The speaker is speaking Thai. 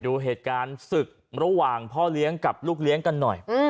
ดูเหตุการณ์ศึกระหว่างพ่อเลี้ยงกับลูกเลี้ยงกันหน่อย